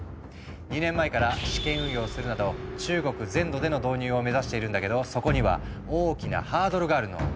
２年前から試験運用するなど中国全土での導入を目指しているんだけどそこには大きなハードルがあるの。